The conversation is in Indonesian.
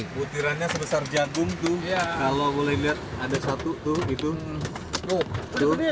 lihat ada satu itu itu